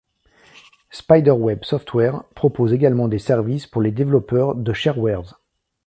Spiderweb Software propose également des services pour les développeurs de sharewares.